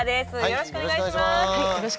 よろしくお願いします。